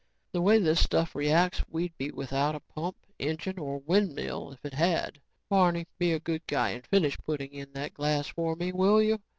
"The way this stuff reacts, we'd be without a pump, engine, or windmill if it had. "Barney, be a good guy and finish putting in that glass for me will you?